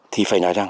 thì phải nói rằng